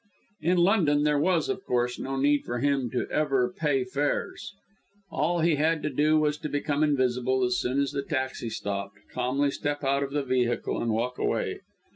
In London there was, of course, no need for him ever to pay fares. All he had to do, was to become invisible as soon as the taxi stopped, calmly step out of the vehicle, and walk away.